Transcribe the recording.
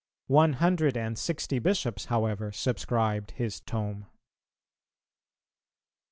One hundred and sixty Bishops however subscribed his Tome. 13.